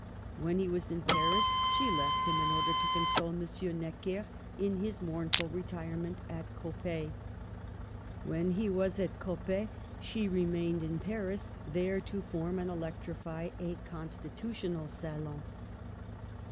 When he was in Paris she left him in order to console M. Necker in his mournful retirement at Coppet. When he was at Coppet she remained in Paris, there to form and electrify a constitutional salon.